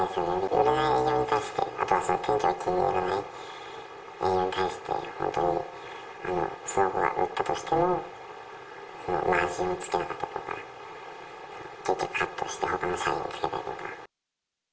売れない営業に対して、あとは店長が気に入らない営業に対して、その子が売ったとしても、マージンをつけなかったりとか、結局カットしてほかの社員につけたりとか。